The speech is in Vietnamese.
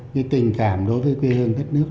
cái tình cảm đối với quê hương đất nước